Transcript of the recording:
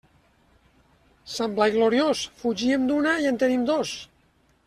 Sant Blai gloriós, fugíem d'una i en tenim dos.